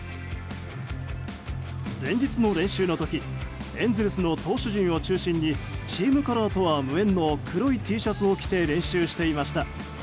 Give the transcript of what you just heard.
前日の練習の時エンゼルスの投手陣を中心にチームカラーとは無縁の黒いＴシャツを着て練習していました。